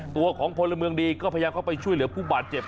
ตัวของพลเมืองดีก็พยายามเข้าไปช่วยเหลือผู้บาดเจ็บ